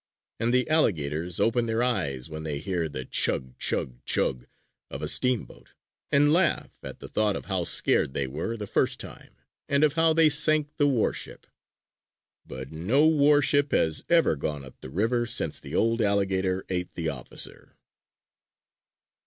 And the alligators open their eyes when they hear the chug! chug! chug! of a steamboat and laugh at the thought of how scared they were the first time, and of how they sank the warship. But no warship has ever gone up the river since the old alligator ate the officer.